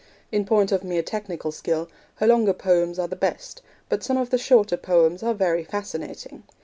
In point of mere technical skill, her longer poems are the best; but some of the shorter poems are very fascinating.